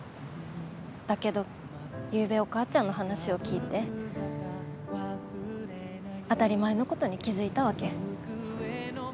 だけどゆうべお母ちゃんの話を聞いて当たり前のことに気付いたわけ。